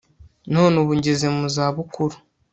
none ubu ngeze mu zabukuru